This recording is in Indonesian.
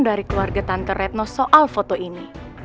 dari keluarga tante retno soal foto ini